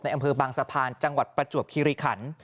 อำเภอบางสะพานจังหวัดประจวบคิริขัน